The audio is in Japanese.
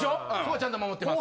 ちゃんと守ってます。